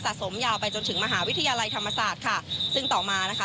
สมยาวไปจนถึงมหาวิทยาลัยธรรมศาสตร์ค่ะซึ่งต่อมานะคะ